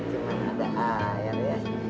cuman ada air ya